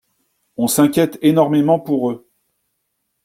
On s’inquiète énormément pour eux.